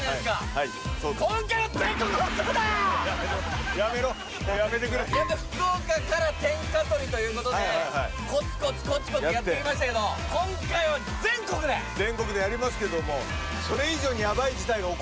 やめろやめろやめてくれ福岡から天下取りということでコツコツコツコツやってきましたけど全国でやりますけどもダメなのよ